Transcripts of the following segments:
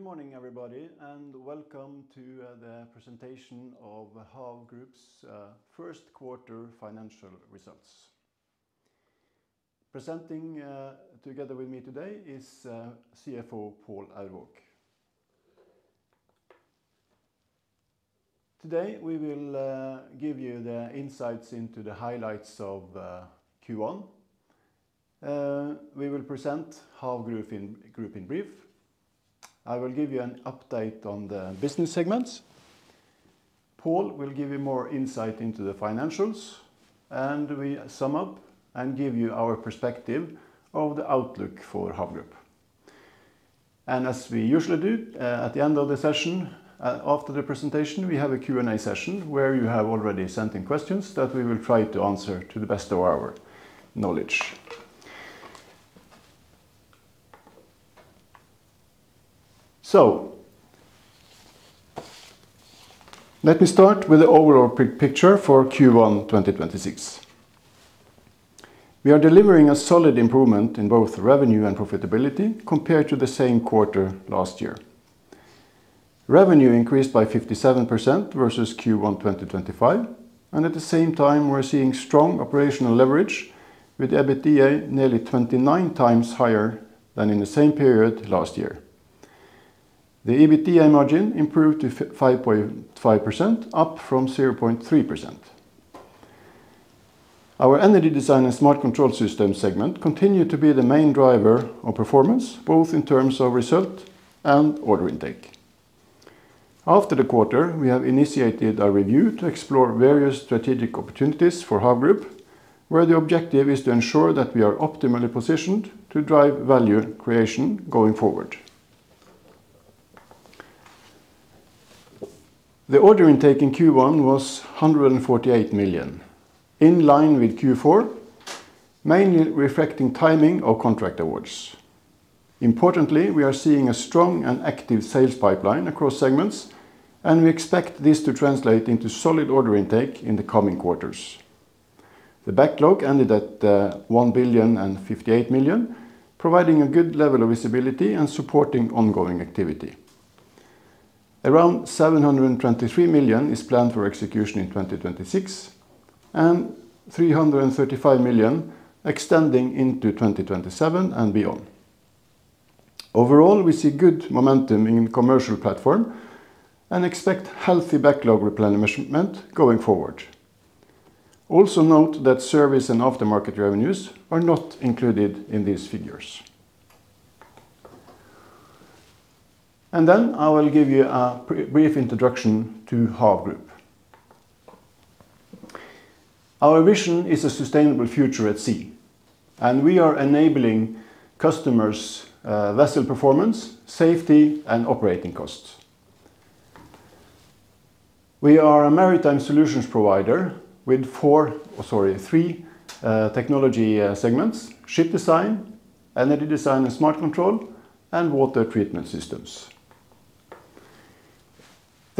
Good morning, everybody, and welcome to the presentation of HAV Group's first quarter financial results. Presenting together with me today is CFO Pål Aurvåg. Today, we will give you the insights into the highlights of Q1. We will present HAV Group in brief. I will give you an update on the business segments. Pål will give you more insight into the financials, and we sum up and give you our perspective of the outlook for HAV Group. As we usually do, at the end of the session, after the presentation, we have a Q&A session where you have already sent in questions that we will try to answer to the best of our knowledge. Let me start with the overall picture for Q1 2026. We are delivering a solid improvement in both revenue and profitability compared to the same quarter last year. Revenue increased by 57% versus Q1 2025, and at the same time, we're seeing strong operational leverage with EBITDA nearly 29x higher than in the same period last year. The EBITDA margin improved to 5.5%, up from 0.3%. Our energy design and smart control systems segment continued to be the main driver of performance, both in terms of result and order intake. After the quarter, we have initiated a review to explore various strategic opportunities for HAV Group, where the objective is to ensure that we are optimally positioned to drive value creation going forward. The order intake in Q1 was 148 million, in line with Q4, mainly reflecting timing of contract awards. Importantly, we are seeing a strong and active sales pipeline across segments, and we expect this to translate into solid order intake in the coming quarters. The backlog ended at 1.058 billion, providing a good level of visibility and supporting ongoing activity. Around 723 million is planned for execution in 2026 and 335 million extending into 2027 and beyond. Overall, we see good momentum in commercial platform and expect healthy backlog replenishment going forward. Also note that service and aftermarket revenues are not included in these figures. I will give you a brief introduction to HAV Group. Our vision is a sustainable future at sea, and we are enabling customers' vessel performance, safety, and operating costs. We are a maritime solutions provider with three technology segments: ship design, energy design and smart control, and water treatment systems.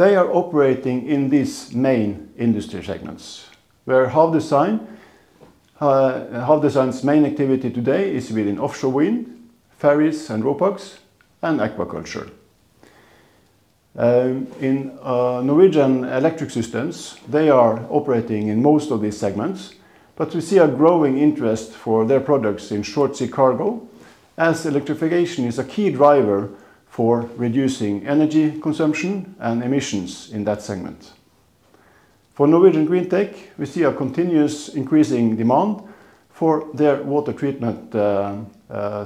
They are operating in these main industry segments, where HAV Design's main activity today is within offshore wind, ferries and ropax, and aquaculture. In Norwegian Electric Systems, they are operating in most of these segments, but we see a growing interest for their products in short-sea cargo, as electrification is a key driver for reducing energy consumption and emissions in that segment. For Norwegian Greentech, we see a continuous increasing demand for their water treatment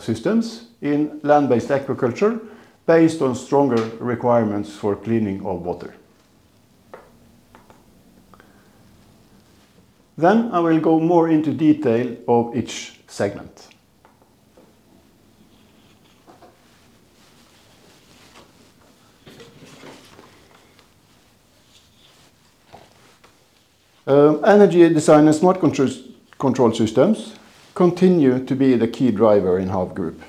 systems in land-based aquaculture based on stronger requirements for cleaning of water. I will go more into detail of each segment. Energy design and smart control systems continue to be the key driver in HAV Group.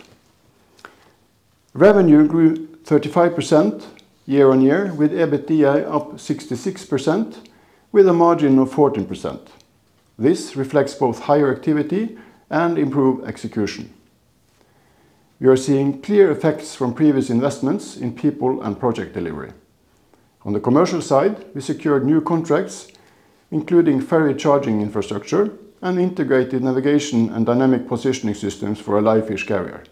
Revenue grew 35% year-over-year, with EBITDA up 66%, with a margin of 14%. This reflects both higher activity and improved execution. We are seeing clear effects from previous investments in people and project delivery. On the commercial side, we secured new contracts, including ferry charging infrastructure and integrated navigation and dynamic positioning systems for a live fish carrier.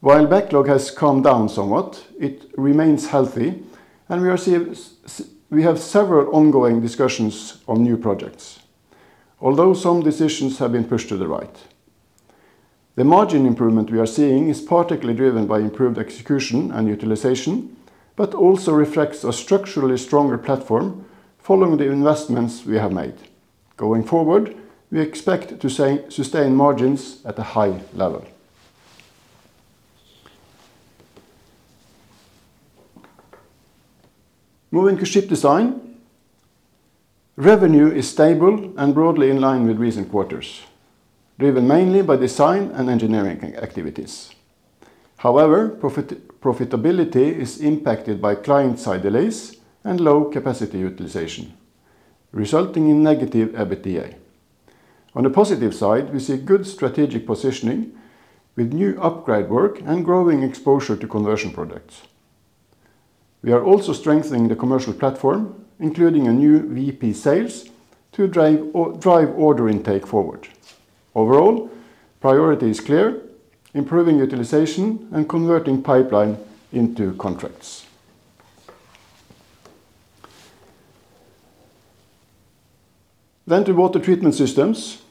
While backlog has come down somewhat, it remains healthy, and we have several ongoing discussions on new projects, although some decisions have been pushed to the right. The margin improvement we are seeing is particularly driven by improved execution and utilization, but also reflects a structurally stronger platform following the investments we have made. Going forward, we expect to sustain margins at a high level. Moving to ship design, revenue is stable and broadly in line with recent quarters, driven mainly by design and engineering activities. However, profitability is impacted by client-side delays and low capacity utilization, resulting in negative EBITDA. On the positive side, we see good strategic positioning with new upgrade work and growing exposure to conversion products. We are also strengthening the commercial platform, including a new VP sales to drive order intake forward. Overall, priority is clear, improving utilization and converting pipeline into contracts. To water treatment systems,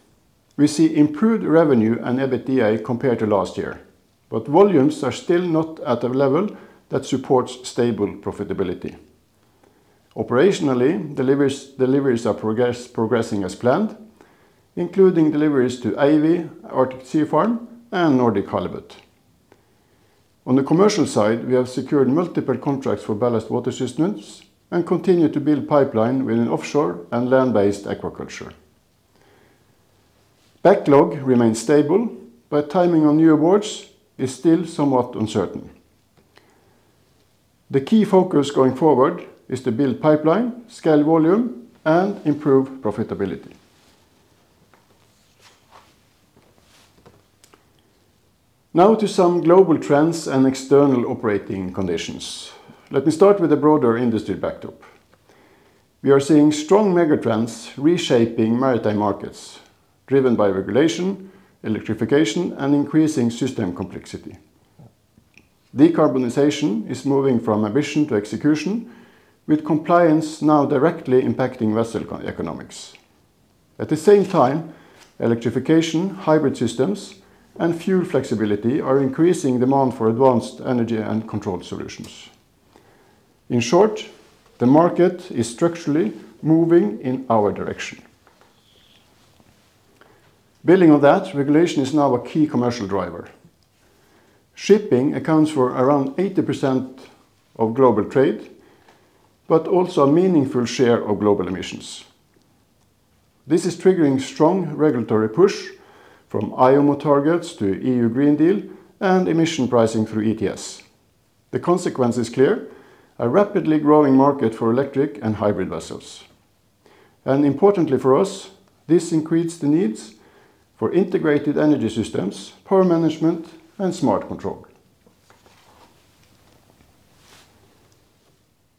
we see improved revenue and EBITDA compared to last year, but volumes are still not at a level that supports stable profitability. Operationally, deliveries are progressing as planned, including deliveries to Eyvi, Arctic Seafarm, and Nordic Halibut. On the commercial side, we have secured multiple contracts for ballast water systems and continue to build pipeline within offshore and land-based aquaculture. Backlog remains stable, but timing on new awards is still somewhat uncertain. The key focus going forward is to build pipeline, scale volume, and improve profitability. To some global trends and external operating conditions. Let me start with a broader industry backdrop. We are seeing strong megatrends reshaping maritime markets driven by regulation, electrification, and increasing system complexity. Decarbonization is moving from ambition to execution, with compliance now directly impacting vessel economics. At the same time, electrification, hybrid systems, and fuel flexibility are increasing demand for advanced energy and control solutions. In short, the market is structurally moving in our direction. Building on that, regulation is now a key commercial driver. Shipping accounts for around 80% of global trade, but also a meaningful share of global emissions. This is triggering strong regulatory push from IMO targets to EU Green Deal and emission pricing through ETS. The consequence is clear: a rapidly growing market for electric and hybrid vessels. Importantly for us, this increases the needs for integrated energy systems, power management, and smart control.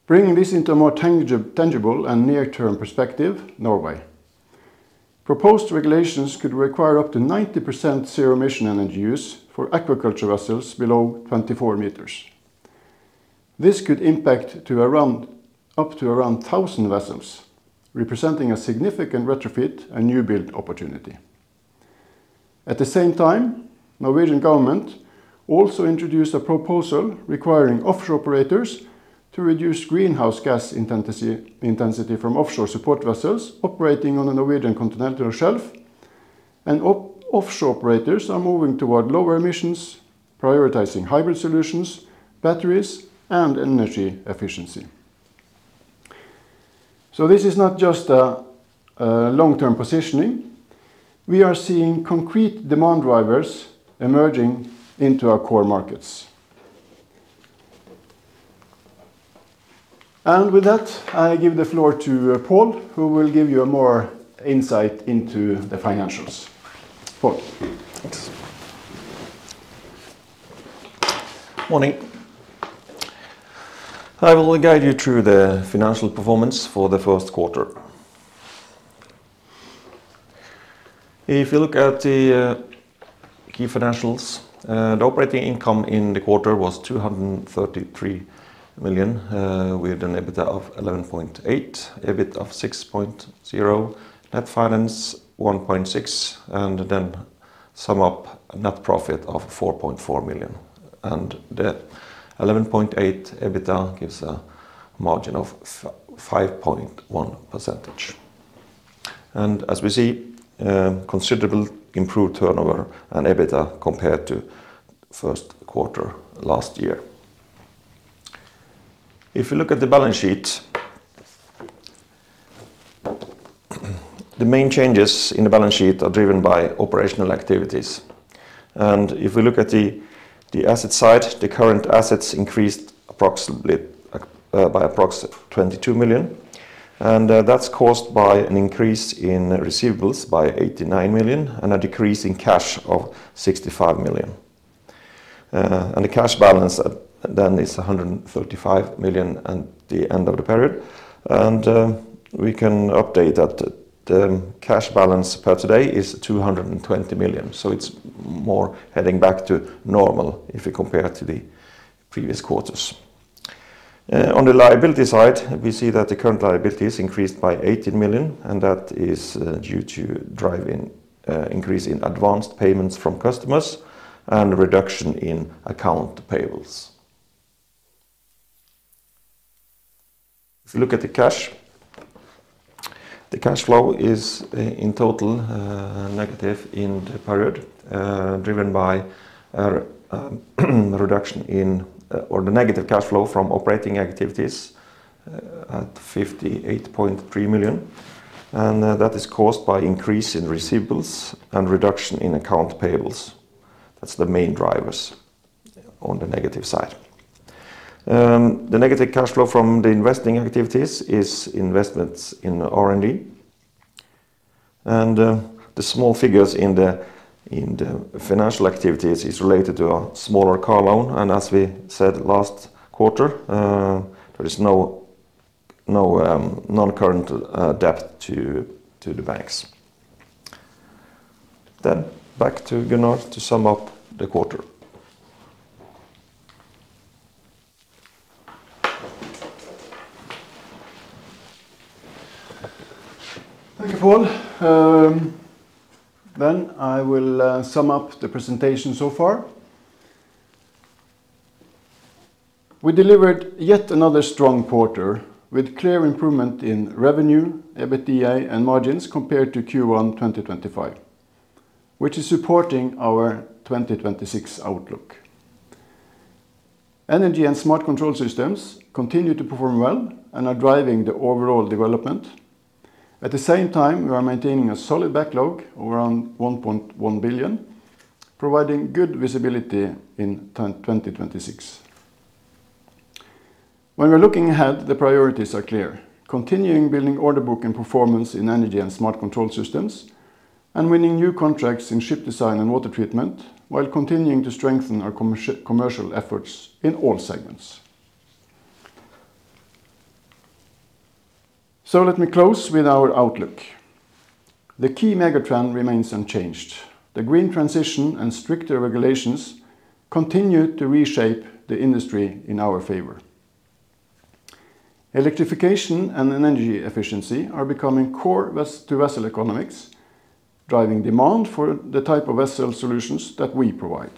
Bringing this into a more tangible and near-term perspective, Norway. Proposed regulations could require up to 90% zero-emission energy use for aquaculture vessels below 24 meters. This could impact up to around 1,000 vessels, representing a significant retrofit and new build opportunity. At the same time, Norwegian government also introduced a proposal requiring offshore operators to reduce greenhouse gas intensity from offshore support vessels operating on a Norwegian continental shelf. Offshore operators are moving toward lower emissions, prioritizing hybrid solutions, batteries, and energy efficiency. This is not just a long-term positioning. We are seeing concrete demand drivers emerging into our core markets. With that, I give the floor to Pål, who will give you more insight into the financials. Pål? Thanks. Morning. I will guide you through the financial performance for the first quarter. If you look at the key financials, the operating income in the quarter was 233 million, with an EBITDA of 11.8 million, EBIT of 6.0 million, net finance 1.6 million, then sum up net profit of 4.4 million. The 11.8 million EBITDA gives a margin of 5.1%. As we see, considerable improved turnover and EBITDA compared to first quarter last year. If you look at the balance sheet, the main changes in the balance sheet are driven by operational activities. If we look at the asset side, the current assets increased by approximately 22 million, and that's caused by an increase in receivables by 89 million and a decrease in cash of 65 million. The cash balance then is 135 million at the end of the period. We can update that the cash balance per today is 220 million, so it's more heading back to normal if you compare it to the previous quarters. On the liability side, we see that the current liabilities increased by 18 million, and that is due to increase in advanced payments from customers and a reduction in account payables. If you look at the cash, the cash flow is in total negative in the period, driven by the negative cash flow from operating activities at 58.3 million, and that is caused by increase in receivables and reduction in account payables. That's the main drivers on the negative side. The negative cash flow from the investing activities is investments in R&D. The small figures in the financial activities is related to a smaller car loan. As we said last quarter, there is no non-current debt to the banks. Back to Gunnar to sum up the quarter. Thank you, Pål. I will sum up the presentation so far. We delivered yet another strong quarter with clear improvement in revenue, EBITDA, and margins compared to Q1 2025, which is supporting our 2026 outlook. Energy and smart control systems continue to perform well and are driving the overall development. At the same time, we are maintaining a solid backlog around 1.1 billion, providing good visibility in 2026. When we're looking ahead, the priorities are clear. Continuing building order book and performance in Energy and smart control systems, and winning new contracts in ship design and water treatment while continuing to strengthen our commercial efforts in all segments. Let me close with our outlook. The key mega trend remains unchanged. The green transition and stricter regulations continue to reshape the industry in our favor. Electrification and energy efficiency are becoming core to vessel economics, driving demand for the type of vessel solutions that we provide.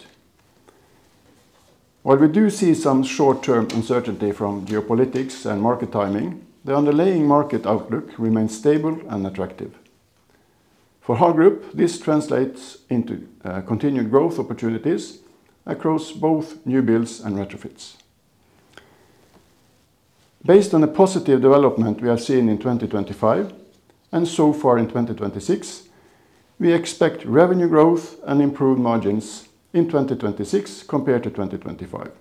While we do see some short-term uncertainty from geopolitics and market timing, the underlying market outlook remains stable and attractive. For HAV Group, this translates into continued growth opportunities across both new builds and retrofits. Based on the positive development we have seen in 2025 and so far in 2026, we expect revenue growth and improved margins in 2026 compared to 2025.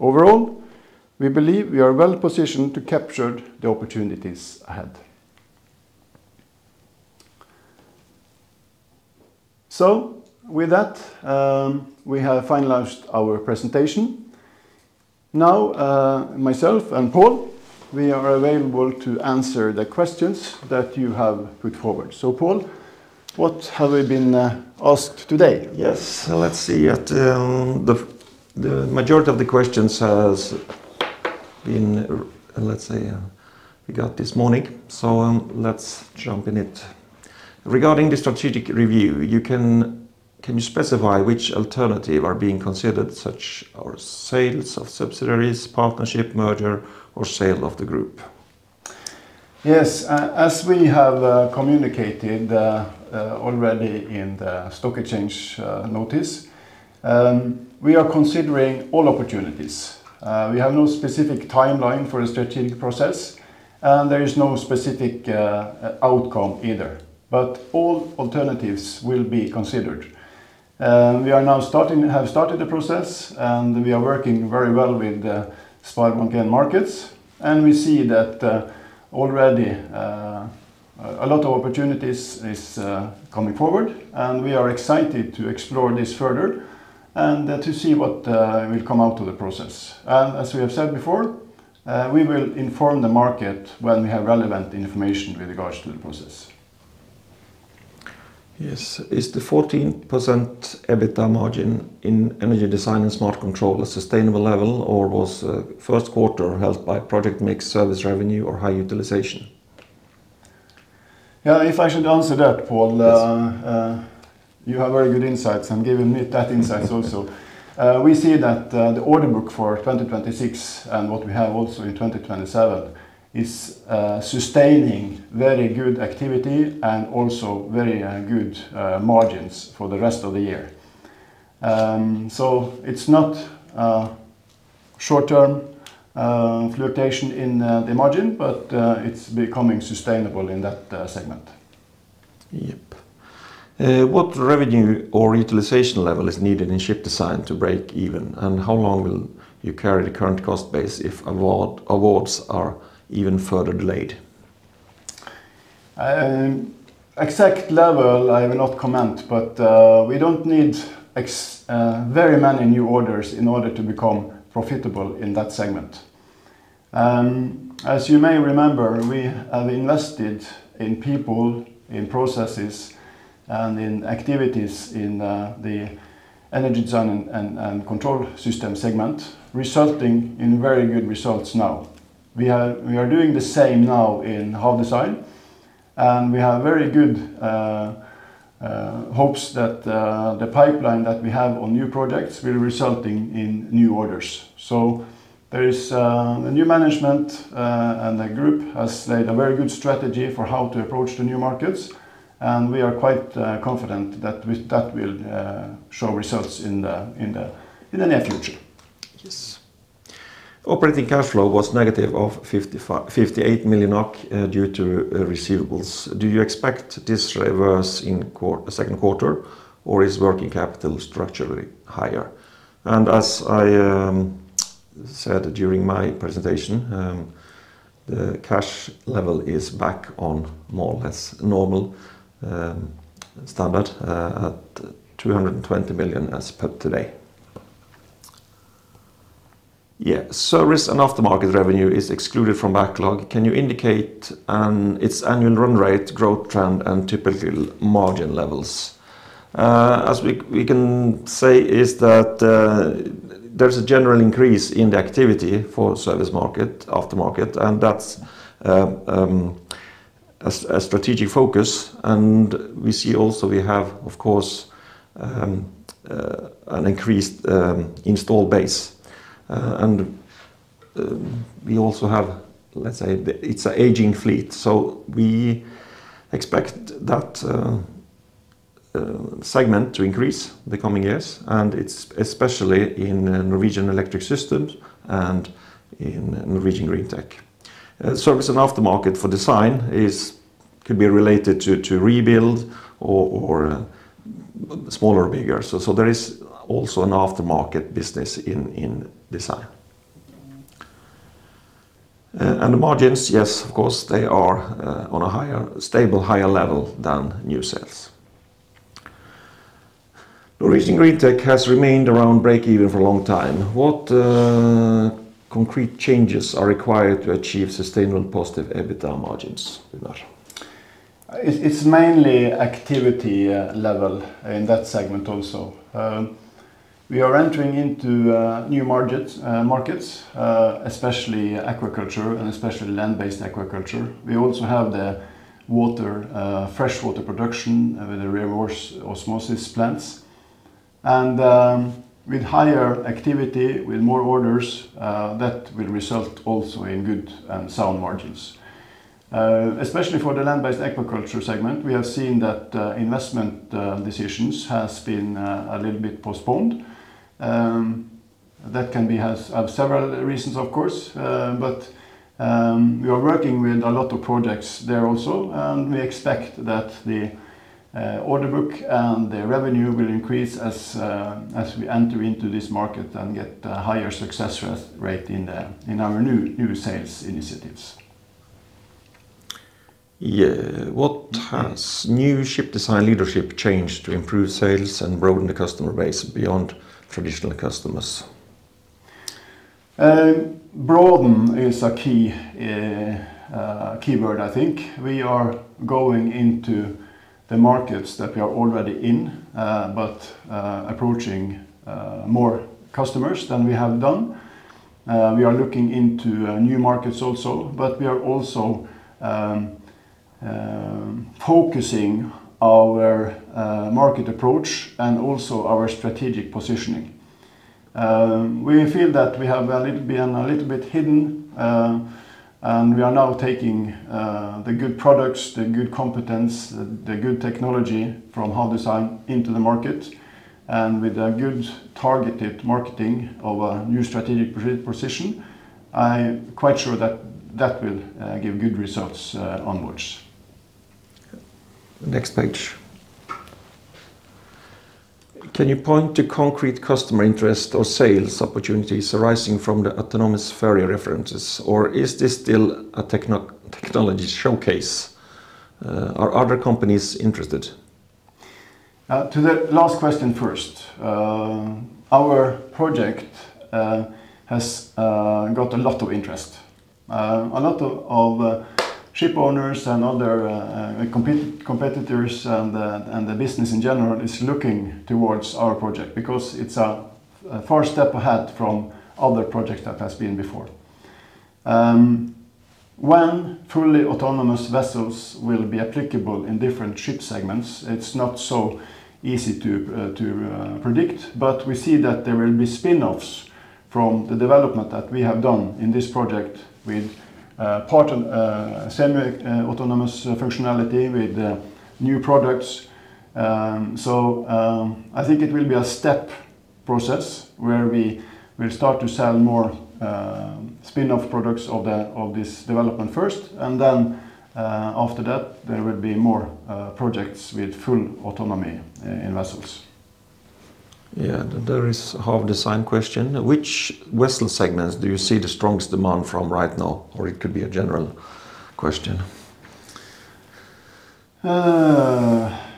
Overall, we believe we are well-positioned to capture the opportunities ahead. With that, we have finalized our presentation. Now, myself and Pål, we are available to answer the questions that you have put forward. Pål, what have we been asked today? Yes. Let's see. The majority of the questions we got this morning. Let's jump in it. Regarding the strategic review, can you specify which alternatives are being considered, such as sales of subsidiaries, partnership, merger, or sale of the group? Yes. As we have communicated already in the stock exchange notice, we are considering all opportunities. We have no specific timeline for the strategic process, and there is no specific outcome either. All alternatives will be considered. We have started the process, and we are working very well with the SpareBank 1 Markets, and we see that already a lot of opportunities is coming forward, and we are excited to explore this further and to see what will come out of the process. As we have said before, we will inform the market when we have relevant information with regards to the process. Yes. Is the 14% EBITDA margin in energy design and smart control a sustainable level, or was first quarter helped by project mix, service revenue, or high utilization? If I should answer that, Pål. Yes. You have very good insights and given me that insights also. We see that the order book for 2026 and what we have also in 2027 is sustaining very good activity and also very good margins for the rest of the year. It's not a short-term fluctuation in the margin, but it's becoming sustainable in that segment. Yep. What revenue or utilization level is needed in ship design to break even? How long will you carry the current cost base if awards are even further delayed? Exact level, I will not comment. We don't need very many new orders in order to become profitable in that segment. As you may remember, we have invested in people, in processes, and in activities in the energy design and smart control systems segment, resulting in very good results now. We are doing the same now in HAV Design. We have very good hopes that the pipeline that we have on new projects will resulting in new orders. There is a new management. The group has laid a very good strategy for how to approach the new markets. We are quite confident that will show results in the near future. Yes. Operating cash flow was negative of 58 million NOK due to receivables. Do you expect this reverse in second quarter, or is working capital structurally higher? As I said during my presentation, the cash level is back on more or less normal standard at 220 million as per today. Yeah. Service and aftermarket revenue is excluded from backlog. Can you indicate its annual run rate, growth trend, and typical margin levels? As we can say is that there's a general increase in the activity for service market, aftermarket, and that's a strategic focus. We see also we have, of course, an increased install base. We also have, let's say, it's an aging fleet. We expect that segment to increase the coming years, and it's especially in Norwegian Electric Systems and in Norwegian Greentech. Service and aftermarket for design could be related to rebuild or smaller or bigger. There is also an aftermarket business in design. The margins, yes, of course, they are on a stable higher level than new sales. Norwegian Greentech has remained around breakeven for a long time. What concrete changes are required to achieve sustainable positive EBITDA margins? Vegard. It's mainly activity level in that segment also. We are entering into new markets, especially aquaculture and especially land-based aquaculture. We also have the freshwater production with the reverse osmosis plants. With higher activity, with more orders, that will result also in good and sound margins. Especially for the land-based aquaculture segment, we have seen that investment decisions has been a little bit postponed. That can have several reasons, of course, but we are working with a lot of projects there also, and we expect that the order book and the revenue will increase as we enter into this market and get a higher success rate in our new sales initiatives. Yeah. "What has new ship design leadership changed to improve sales and broaden the customer base beyond traditional customers? Broaden is a key word, I think. We are going into the markets that we are already in, but approaching more customers than we have done. We are looking into new markets also, but we are also focusing our market approach and also our strategic positioning. We feel that we have been a little bit hidden, and we are now taking the good products, the good competence, the good technology from HAV Design into the market. With a good targeted marketing of our new strategic position, I'm quite sure that that will give good results onwards. Next page. "Can you point to concrete customer interest or sales opportunities arising from the autonomous ferry references, or is this still a technology showcase? Are other companies interested?" To the last question first. Our project has got a lot of interest. A lot of ship owners and other competitors and the business in general is looking towards our project because it's a far step ahead from other projects that has been before. When truly autonomous vessels will be applicable in different ship segments, it's not so easy to predict, but we see that there will be spinoffs from the development that we have done in this project with part of semi-autonomous functionality with new products. I think it will be a step process where we will start to sell more spinoff products of this development first, and then after that, there will be more projects with full autonomy in vessels. Yeah. There is a HAV Design question. "Which vessel segments do you see the strongest demand from right now?" It could be a general question.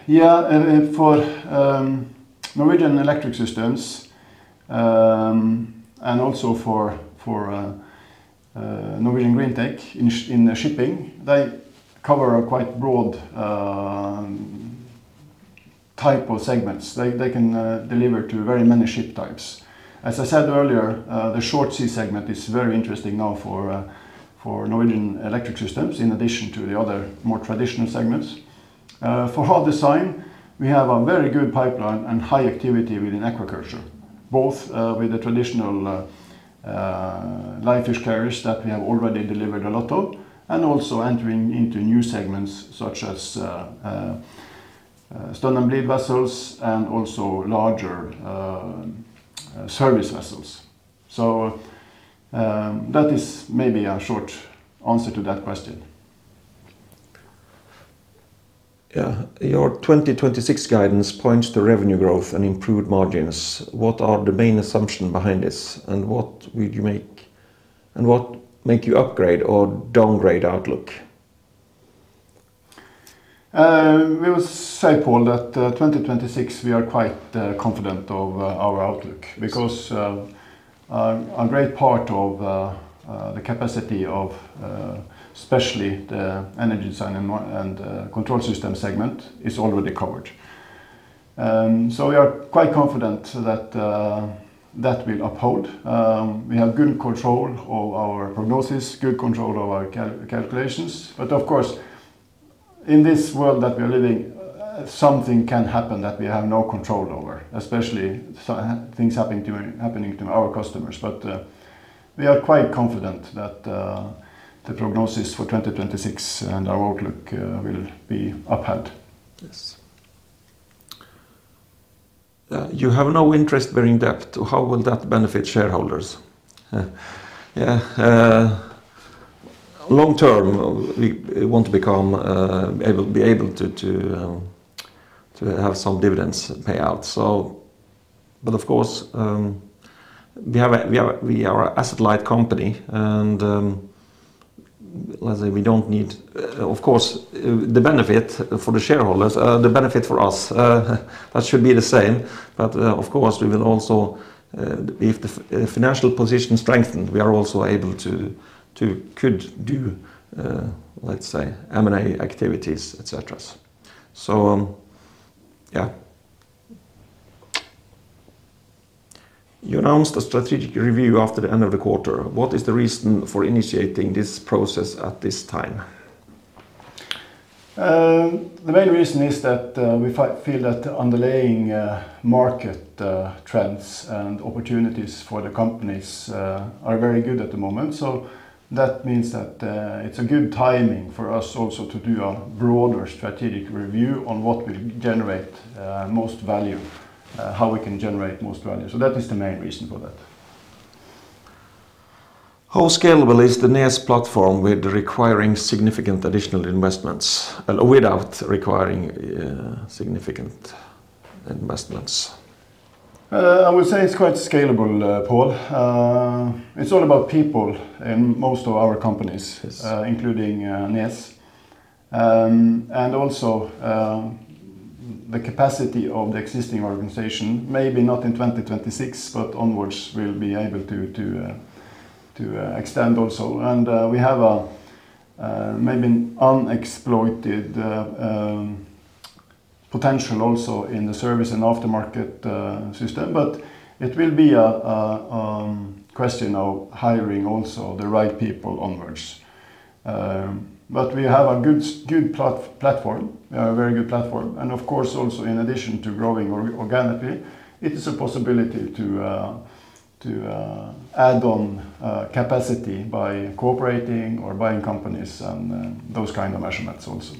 Yeah. For Norwegian Electric Systems, and also for Norwegian Greentech in shipping, they cover a quite broad type of segments. They can deliver to very many ship types. As I said earlier, the short sea segment is very interesting now for Norwegian Electric Systems, in addition to the other more traditional segments. For HAV Design, we have a very good pipeline and high activity within aquaculture, both with the traditional live fish carriers that we have already delivered a lot of, and also entering into new segments such as stun and bleed vessels and also larger service vessels. That is maybe a short answer to that question. Yeah. Your 2026 guidance points to revenue growth and improved margins. What are the main assumption behind this and what make you upgrade or downgrade outlook? We will say, Pål that 2026, we are quite confident of our outlook because a great part of the capacity of especially the energy design and control system segment is already covered. we are quite confident that will uphold. We have good control of our prognosis, good control of our calculations. of course, in this world that we are living, something can happen that we have no control over, especially things happening to our customers. we are quite confident that the prognosis for 2026 and our outlook will be upheld. Yes. You have no interest bearing debt. How will that benefit shareholders? Yeah. Long term, we want to be able to have some dividends payout. The benefit for the shareholders, the benefit for us, that should be the same. If the financial position strengthened, we are also able to, could do, let's say M&A activities, et cetera. Yeah. You announced a strategic review after the end of the quarter. What is the reason for initiating this process at this time? The main reason is that we feel that the underlying market trends and opportunities for the companies are very good at the moment. That means that it's a good timing for us also to do a broader strategic review on what will generate most value, how we can generate most value. That is the main reason for that. How scalable is the NES platform without requiring significant additional investments? I would say it's quite scalable, Pål. It's all about people in most of our companies. Yes. including NES. also the capacity of the existing organization, maybe not in 2026, but onwards, we'll be able to extend also. we have a maybe unexploited potential also in the service and aftermarket system, but it will be a question of hiring also the right people onwards. we have a very good platform, and of course, also in addition to growing organically, it is a possibility to add on capacity by cooperating or buying companies and those kind of measurements also.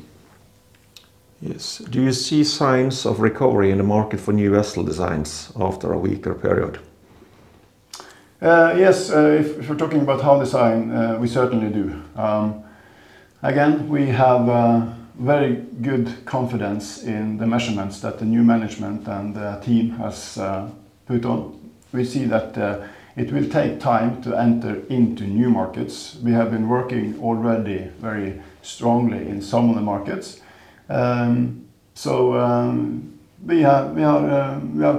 Yes. Do you see signs of recovery in the market for new vessel designs after a weaker period? Yes. If we're talking about HAV Design, we certainly do. Again, we have very good confidence in the measurements that the new management and the team has put on. We see that it will take time to enter into new markets. We have been working already very strongly in some of the markets. We are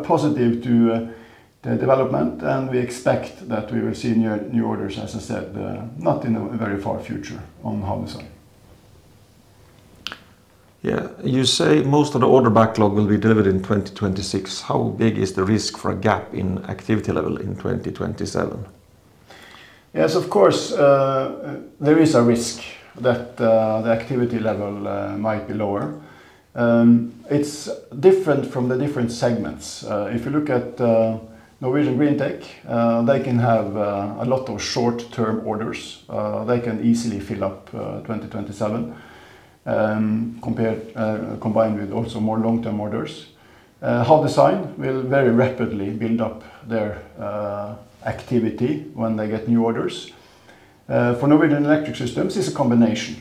positive to the development, and we expect that we will see new orders, as I said, not in the very far future on HAV Design. Yeah. You say most of the order backlog will be delivered in 2026. How big is the risk for a gap in activity level in 2027? Yes, of course, there is a risk that the activity level might be lower. It's different from the different segments. If you look at Norwegian Greentech, they can have a lot of short-term orders. They can easily fill up 2027, combined with also more long-term orders. HAV Design will very rapidly build up their activity when they get new orders. For Norwegian Electric Systems, it's a combination.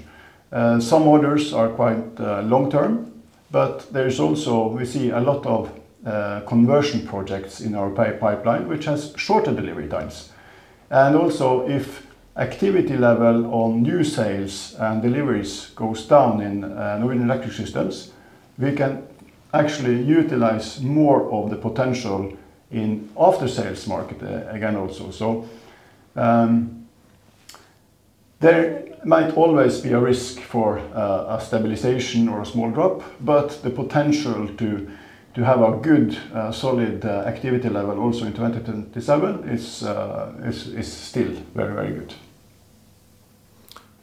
Some orders are quite long-term, but there is also, we see a lot of conversion projects in our pipeline, which has shorter delivery times. Also, if activity level on new sales and deliveries goes down in Norwegian Electric Systems, we can actually utilize more of the potential in after-sales market again also. There might always be a risk for a stabilization or a small drop, but the potential to have a good, solid activity level also in 2027 is still very, very good.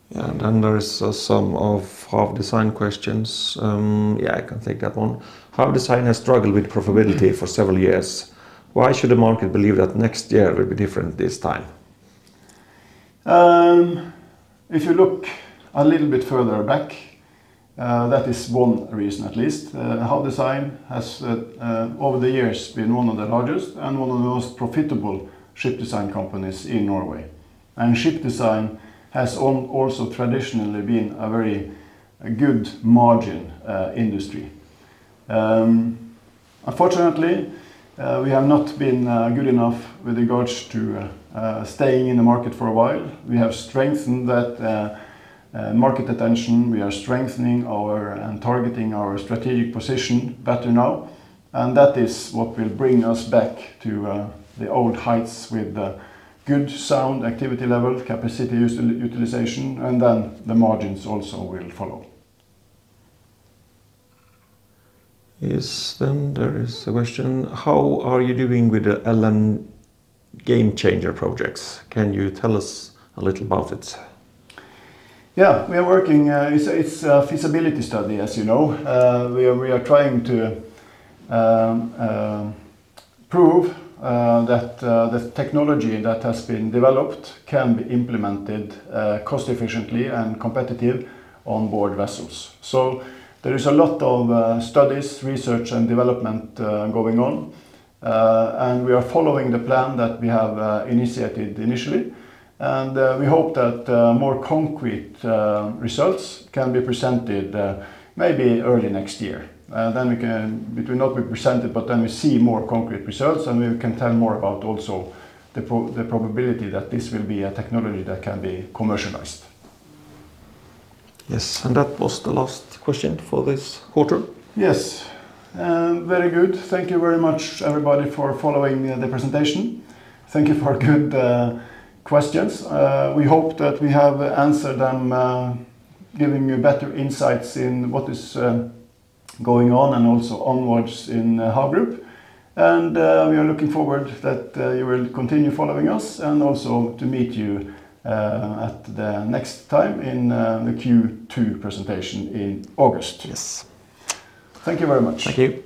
Yeah. There is some of HAV Design questions. Yeah, I can take that one. HAV Design has struggled with profitability for several years. Why should the market believe that next year will be different this time? If you look a little bit further back, that is one reason at least. HAV Design has over the years been one of the largest and one of the most profitable ship design companies in Norway. Ship design has also traditionally been a very good margin industry. Unfortunately, we have not been good enough with regards to staying in the market for a while. We have strengthened that market attention. We are strengthening and targeting our strategic position better now, and that is what will bring us back to the old heights with good sound activity level, capacity utilization, and then the margins also will follow. Yes. there is a question, how are you doing with the LNGameChanger projects? Can you tell us a little about it? Yeah, we are working. It's a feasibility study, as you know. We are trying to prove that the technology that has been developed can be implemented cost efficiently and competitive onboard vessels. There is a lot of studies, research, and development going on. We are following the plan that we have initiated initially, and we hope that more concrete results can be presented maybe early next year. It will not be presented, but then we see more concrete results, and we can tell more about also the probability that this will be a technology that can be commercialized. Yes, that was the last question for this quarter. Yes. Very good. Thank you very much, everybody, for following the presentation. Thank you for good questions. We hope that we have answered them, giving you better insights in what is going on and also onwards in HAV Group. We are looking forward that you will continue following us, and also to meet you at the next time in the Q2 presentation in August. Yes. Thank you very much. Thank you